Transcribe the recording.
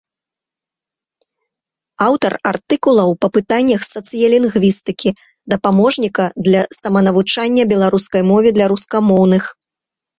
Аўтар артыкулаў па пытаннях сацыялінгвістыкі, дапаможніка для саманавучання беларускай мове для рускамоўных.